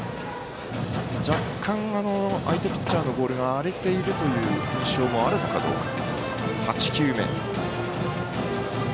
若干、相手ピッチャーのボールが荒れているという印象もあるかどうか。